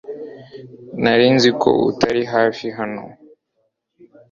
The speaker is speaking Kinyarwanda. Nari nzi ko utari hafi hano